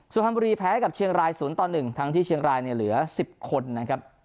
สุพรรณบุรีแพ้กับเชียงราย๐ต่อ๑ทั้งที่เชียงรายเนี่ยเหลือ๑๐คนนะครับ